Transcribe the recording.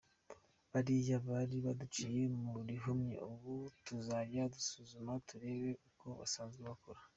Bariya bari baduciye mu rihumye, ubu tuzajya dusuzuma turebe uko basazwe bakora.